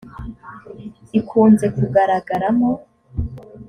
ikunze kugaragaramo